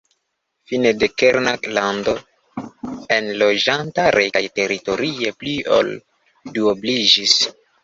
Fine la kerna lando enloĝantare kaj teritorie pli ol duobliĝis.